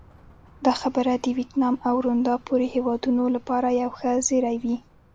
دا خبره د ویتنام او روندا پورې هېوادونو لپاره یو ښه زېری وي.